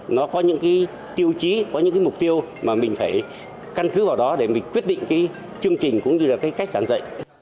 nó có những tiêu chí có những mục tiêu mà mình phải căn cứ vào đó để mình quyết định chương trình cũng như là cách giảng dạy